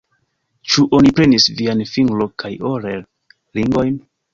Ĉu oni prenis viajn fingro- kaj orel-ringojn?